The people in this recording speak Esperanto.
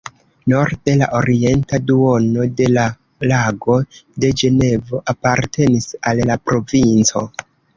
Norde, la orienta duono de la Lago de Ĝenevo apartenis al la provinco.